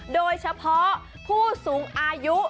โดยเฉพาะผู้สูงอายุ